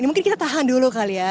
mungkin kita tahan dulu kali ya